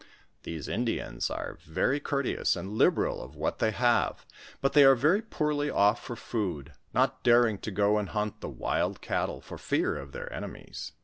These Indians are very courteous and liberal of what they have, but, they are very poorly off for food, not daring to go and hunt the wild cattle, for fear of their enemies.